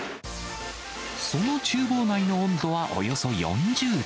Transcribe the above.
そのちゅう房内の温度はおよそ４０度。